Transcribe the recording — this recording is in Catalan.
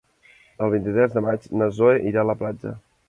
El vint-i-tres de maig na Zoè irà a la platja.